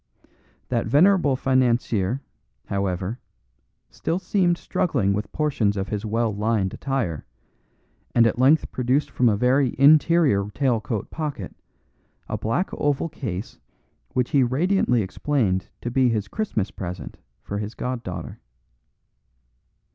That venerable financier, however, still seemed struggling with portions of his well lined attire, and at length produced from a very interior tail coat pocket, a black oval case which he radiantly explained to be his Christmas present for his god daughter.